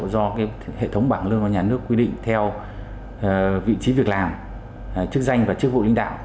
do hệ thống bảng lương của nhà nước quy định theo vị trí việc làm chức danh và chức vụ lãnh đạo